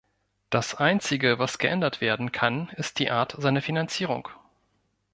Das Einzige, was geändert werden kann, ist die Art seiner Finanzierung.